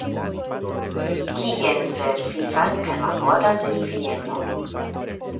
Kienzer vivas kaj laboras en Vieno.